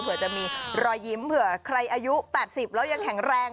เผื่อจะมีรอยยิ้มเผื่อใครอายุ๘๐แล้วยังแข็งแรง